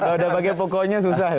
kalo udah bagian pokoknya susah ya